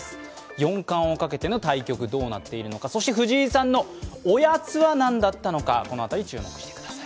四冠をかけての対局どうなっているのか、そして藤井さんのおやつは何だったのかこの辺り注目してください。